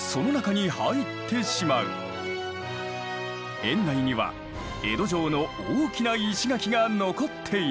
園内には江戸城の大きな石垣が残っている。